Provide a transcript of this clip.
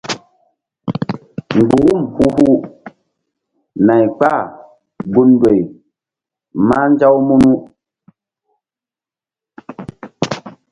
Mgburum hu-hu nay kpahgun ndoy mah nzaw mu.